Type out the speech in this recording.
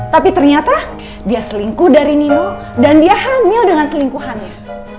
tapi ternyata dia selingkuh dari nino dan dia hamil dengan selingkuhannya